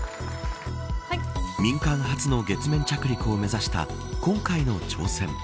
民間初の月面着陸を目指した今回の挑戦。